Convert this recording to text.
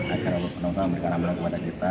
agar allah swt memberikan amiran kepada kita